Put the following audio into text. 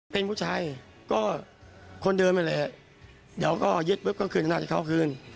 เป็นผู้ชายก็คนเดิมนี่แหละเดี๋ยวเขาก็ยึดปุ๊ปค่ะก็คืนนั่นหน้าจะเข้าคืน